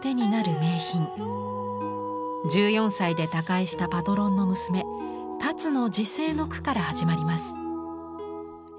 １４歳で他界したパトロンの娘田鶴の辞世の句から始まります。